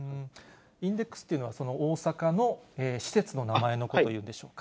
インテックスというのは、大阪の施設の名前のことでしょうか。